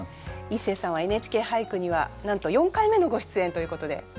イッセーさんは「ＮＨＫ俳句」にはなんと４回目のご出演ということで。